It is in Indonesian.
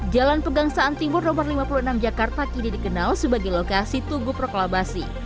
jalan pegangsaan timur no lima puluh enam jakarta kini dikenal sebagai lokasi tugu proklamasi